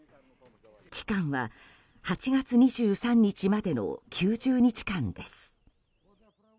期間は８月２３日までの９０日間です。